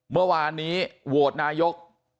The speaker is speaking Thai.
เมื่อวานนี้โหวตนายก